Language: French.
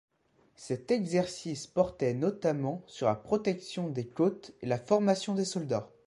Cet exercice portait notamment sur la protection des côtes et la formation des soldats.